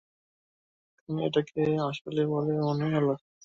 কারণ এটাকে আসল বলে মনে হলো।